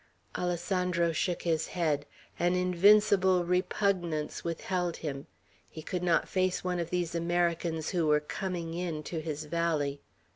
Alessandro shook his head. An invincible repugnance withheld him. He could not face one of these Americans who were "coming in" to his valley.